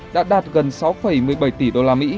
đã đạt gần sáu một mươi bảy tỷ usd